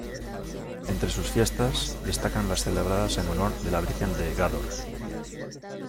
Entre sus fiestas destacan las celebradas en honor de la Virgen de Gádor.